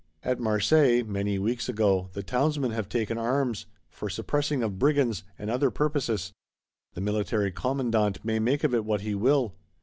At Marseilles, many weeks ago, the Townsmen have taken arms; for "suppressing of Brigands," and other purposes: the military commandant may make of it what he will.